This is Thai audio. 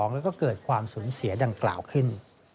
แล้วก็เกิดความสูญเสียดังกล่าวขึ้น